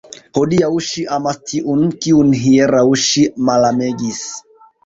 Hodiaŭ ŝi amas tiun, kiun hieraŭ ŝi malamegis!